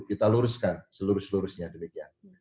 kita luruskan seluruh seluruhnya demikian